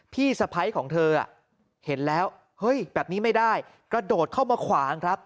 พี่สะพัยของเธออ่ะเห็นแล้วแบบนี้ไม่ได้ก็โดดเข้ามาขวาง